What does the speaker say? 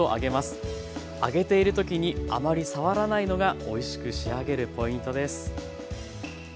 揚げている時にあまり触らないのがおいしく仕上げるポイントです。